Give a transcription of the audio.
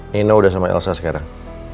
nina udah sama elsa sekarang